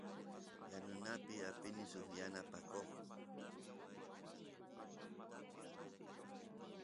yanunapi apini suk yanapakoq